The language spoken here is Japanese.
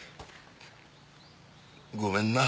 ごめんな。